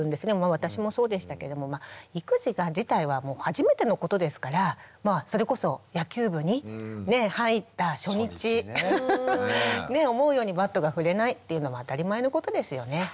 私もそうでしたけども育児が自体は初めてのことですからそれこそ野球部に入った初日思うようにバットが振れないっていうのも当たり前のことですよね。